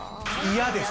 嫌です